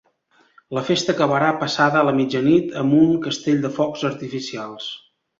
La festa acabarà passada la mitjanit amb un castell de focs artificials.